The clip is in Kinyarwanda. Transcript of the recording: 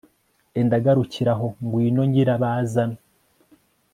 enda garukira aho ngwino nyirabazana